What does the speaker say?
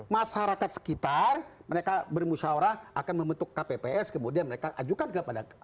masyarakat sekitar mereka bermusyawarah akan membentuk kpps kemudian mereka ajukan kepada